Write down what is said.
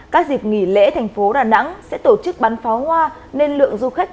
các dịp nghỉ lễ thành phố đà nẵng sẽ tổ chức bắn pháo hoa nên lượng du khách